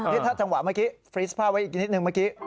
นี่ถ้าจังหวะเมื่อกี้ฟรีสภาพไว้อีกนิดนึงเมื่อกี้